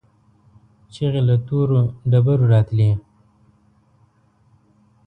چيغې له تورو ډبرو راتلې.